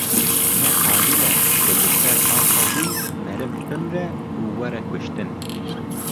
Neqayîle ku li ser axa wî meriv bimre û were kuştin.